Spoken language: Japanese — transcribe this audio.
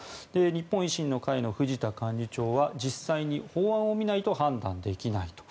日本維新の会の藤田幹事長は実際に法案を見ないと判断できないと。